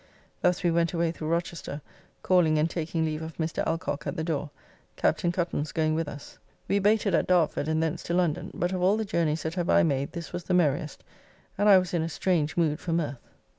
Thus we went away through Rochester, calling and taking leave of Mr. Alcock at the door, Capt. Cuttance going with us. We baited at Dartford, and thence to London, but of all the journeys that ever I made this was the merriest, and I was in a strange mood for mirth.